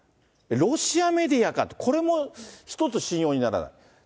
ロシアメディアかと、これも一つ、信用にならない。